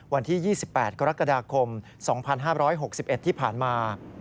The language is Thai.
วันที่๒๘กรกฎาคม๒๕๖๑ที่ผ่านมา